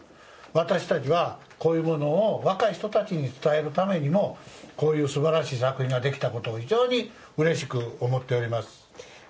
私たちは、こういうものを若い人たちに伝えるためにもこういうすばらしい作品ができたことを非常にうれしく思っております。